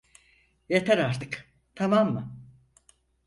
Yeter artık, tamam mı?